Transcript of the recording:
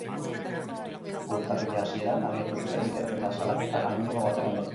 Urtarrila hasieran abiatu zuten ikerketa, salaketa anonimo baten ondotik.